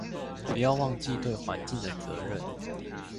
不要忘記對環境的責任